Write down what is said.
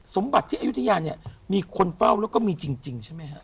สมบัติที่อายุทยาเนี่ยมีคนเฝ้าแล้วก็มีจริงใช่ไหมฮะ